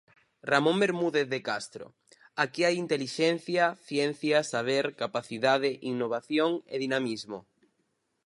Ramón Bermúdez de Castro: Aquí hai intelixencia, ciencia, saber, capacidade, innovación e dinamismo.